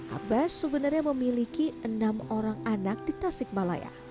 abbas sebenarnya memiliki enam orang anak di tasik malaya